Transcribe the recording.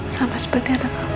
sama seperti anak kamu